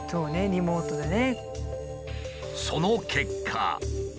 リモートでね。